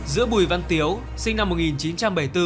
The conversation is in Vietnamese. giữa bùi văn tiếu sinh năm một nghìn chín trăm bảy mươi bốn